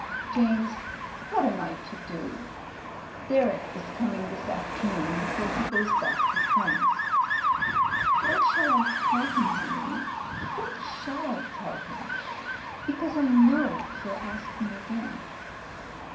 *' James — what am I to do? Derek is coming this afternoon before he goes back to France. What shall I tell him, Henry — ^what shall I tell him? Because I know he'll ask me again.